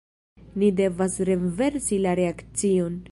Ni devas renversi la reakcion!